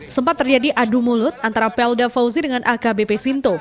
sempat terjadi adu mulut antara pelda fauzi dengan akbp sinto